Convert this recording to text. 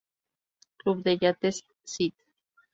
Club de Yates St.